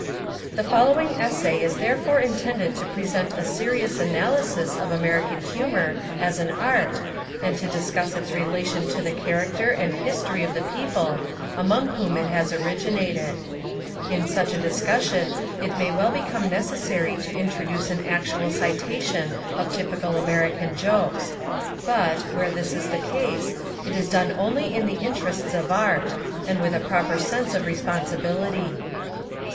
The following essay is therefore intended to present a serious analysis of American humour as an art, and to discuss Its relation to the char acter and history of the people among whom 99 Essays and Literary Studies It has originated. In such a discussion it may well become necessary to introduce an actual citation of typical American jokes: but, where this is the case, it is done only in the interests of art, and with a proper sense of responsibility.